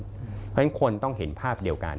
เพราะฉะนั้นคนต้องเห็นภาพเดียวกัน